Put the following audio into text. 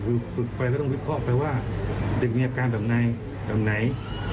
คือจะไปแล้วก็วิเคราะห์ไปว่าเด็กมีอาการแบบไหน